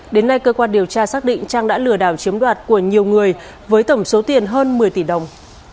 đến nay cơ quan điều tra xác định trang đã lừa đảo chiếm đoạt của nhiều người với tổng số tiền hơn một mươi tỷ đồng